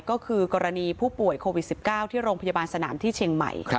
ก็คือกรณีผู้ป่วยโควิด๑๙ที่โรงพยาบาลสนามที่เชียงใหม่